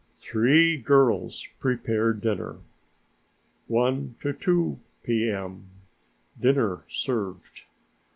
Three girls prepare dinner. 1 to 2 P.M. Dinner served.